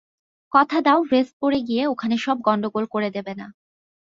কথা দাও ভেস্ট পরে গিয়ে ওখানে সব গন্ডগোল করে দেবে না।